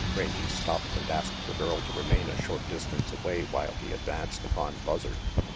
Rangy stopped and asked the girl to remain a short distance away while he advanced upon Buzzard.